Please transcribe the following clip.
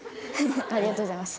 ありがとうございます。